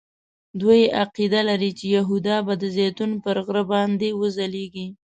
دوی عقیده لري چې یهودا به د زیتون پر غره باندې وځلیږي.